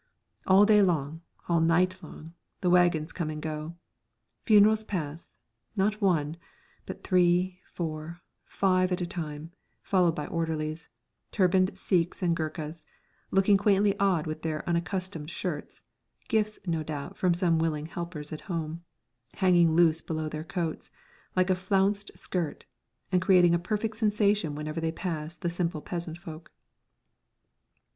All day long, all night long, the wagons come and go. Funerals pass, not one, but three, four, five at a time, followed by orderlies; turbaned Sikhs and Gurkhas, looking quaintly odd with their unaccustomed shirts (gifts, no doubt, from some willing helpers at home) hanging loose below their coats, like a flounced skirt, and creating a perfect sensation whenever they pass the simple peasant folk.